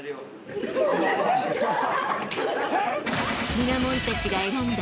［ミラモンたちが選んだ］